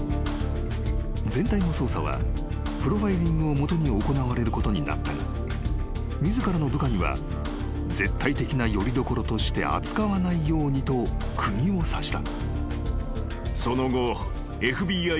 ［全体の捜査はプロファイリングを基に行われることになったが自らの部下には絶対的なよりどころとして扱わないようにと釘を刺した］